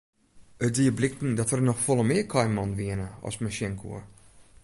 It die bliken dat der noch folle mear kaaimannen wiene as men sjen koe.